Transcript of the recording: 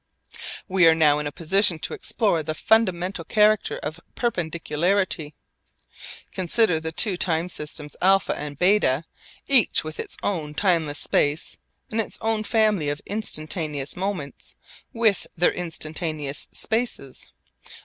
We are now in a position to explore the fundamental character of perpendicularity. Consider the two time systems α and β, each with its own timeless space and its own family of instantaneous moments with their instantaneous spaces.